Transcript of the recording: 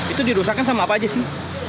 itu dirusakan sama apa aja sih